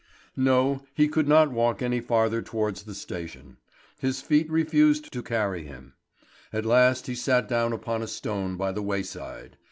No, he could not walk any farther towards the station; his feet refused to carry him. At last he sat down upon a stone by the wayside.